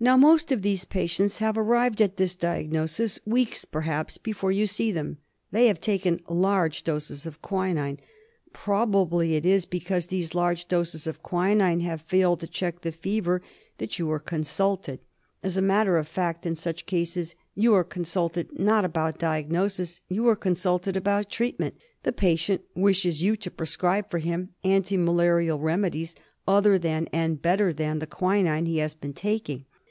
Now most of these patients have arrived at this diagnosis weeks perhaps before you see them. They have taken large doses of quinine. Probably it is because these large doses of quinine have failed to check the fever that you are DIAGNOSIS OF MALARIA. 155 consulted. As a matter of fact, in such cases you are consulted not about diagnosis; you are consulted about treatment. The patient wishes you to prescribe for him anti malarial remedies other than and better than the quinine he has been taking.